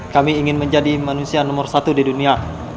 kami ingin menjadi manusia nomor satu di dunia